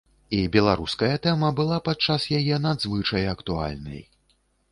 І беларуская тэма была падчас яе надзвычай актуальнай.